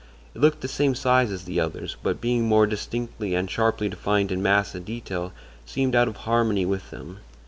It looked the same size as the others, but being more distinctly and sharply defined in mass and detail seemed out of harmony with them.